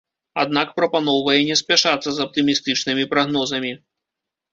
Аднак прапаноўвае не спяшацца з аптымістычнымі прагнозамі.